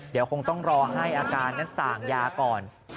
เดี๋ยวคงต้องรอให้อาการนั้นสั่งยาก่อน